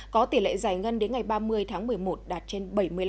có tỷ lệ giải ngân đến ngày ba mươi tháng một mươi một đạt trên bảy mươi năm